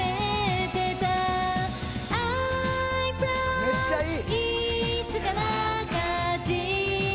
めっちゃいい！